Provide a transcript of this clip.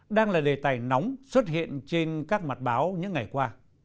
đang là đề tài nóng xuất hiện trên các mặt báo những ngày qua